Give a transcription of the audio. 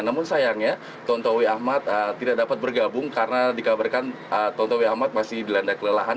namun sayangnya tontowi ahmad tidak dapat bergabung karena dikabarkan tontowi ahmad masih dilanda kelelahan